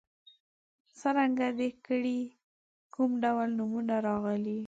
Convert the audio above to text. څرګنده دې کړي کوم ډول نومونه راغلي.